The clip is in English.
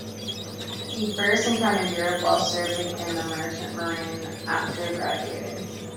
He first encountered Europe while serving in the Merchant Marine after graduating.